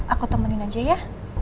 aku temenin aja ya